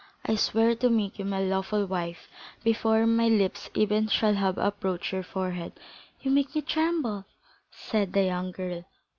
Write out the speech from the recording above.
I swear to make you my lawful wife before my lips even shall have approached your forehead." "You make me tremble!" said the young girl.